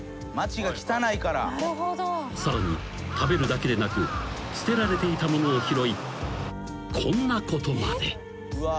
［さらに食べるだけでなく捨てられていたものを拾いこんなことまで］